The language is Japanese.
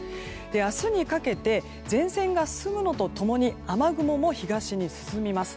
明日にかけて前線が進むのと共に雨雲も東に進みます。